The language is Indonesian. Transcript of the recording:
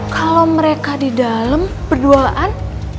kalau mereka di dalam berduaan